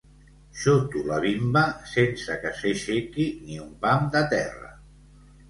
Xuto la bimba sense que s'aixequi ni un pam de terra.